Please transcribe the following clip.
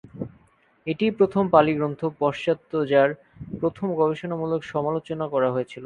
এটিই প্রথম পালি গ্রন্থ পাশ্চাত্যে যার প্রথম গবেষণামূলক সমালোচনা করা হয়েছিল।